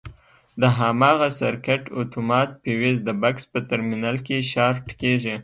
د هماغه سرکټ اتومات فیوز د بکس په ترمینل کې شارټ کېږي.